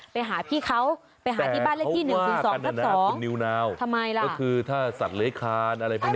ไปหาพี่เขาไปหาที่บ้านเลขที่๑๐๒ทับ๒